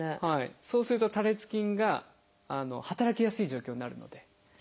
そうすると多裂筋が働きやすい状況になるので。